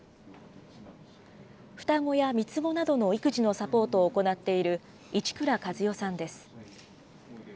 双子や三つ子などの育児のサポートを行っている市倉加寿代さんです。